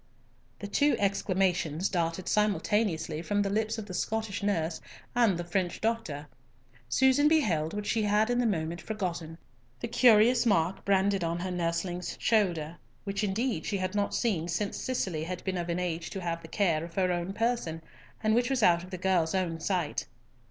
The two exclamations darted simultaneously from the lips of the Scottish nurse and the French doctor. Susan beheld what she had at the moment forgotten, the curious mark branded on her nursling's shoulder, which indeed she had not seen since Cicely had been of an age to have the care of her own person, and which was out of the girl's own sight.